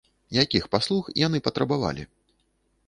Якіх паслуг яны патрабавалі?